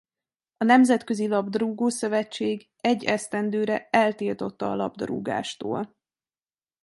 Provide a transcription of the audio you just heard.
A Nemzetközi Labdarúgó-szövetség egy esztendőre eltiltotta a labdarúgástól.